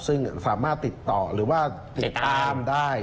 ซึ่งสามารถติดต่อหรือว่าติดตามได้